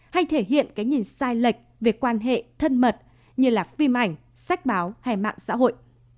hay thể hiện cái nhìn sai lệch về quan hệ thân mật như là phim ảnh sách báo hay mạng xã hội